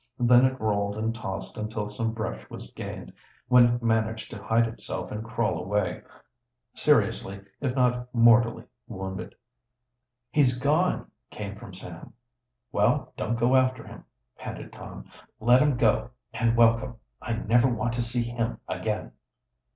Then it rolled and tossed until some brush was gained, when it managed to hide itself and crawl away, seriously, if not mortally, wounded. "He's gone!" came from Sam. "Well, don't go after him," panted Tom. "Let him go and welcome. I never want to see him again."